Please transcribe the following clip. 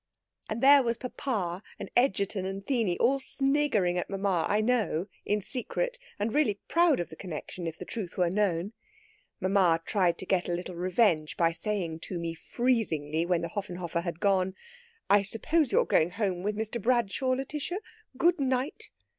And there was papa and Egerton and Theeny all sniggering at mamma, I know, in secret, and really proud of the connexion, if the truth were known. Mamma tried to get a little revenge by saying to me freezingly when the Höfenhoffer had gone: 'I suppose you are going home with Mr. Bradshaw, Lætitia? Good night.'